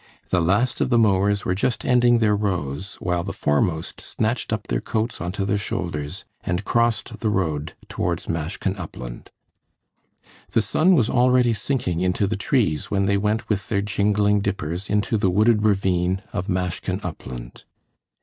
The last of the mowers were just ending their rows while the foremost snatched up their coats onto their shoulders, and crossed the road towards Mashkin Upland. The sun was already sinking into the trees when they went with their jingling dippers into the wooded ravine of Mashkin Upland.